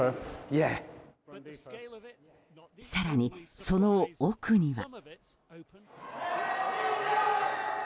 更に、その奥には。